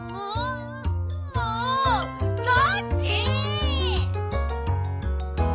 もうどっち？